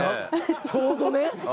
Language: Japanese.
ちょうどね。